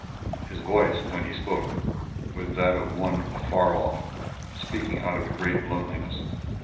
His voice, when he spoke, was that of one afar off, speaking out of a great loneliness.